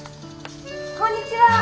こんにちは！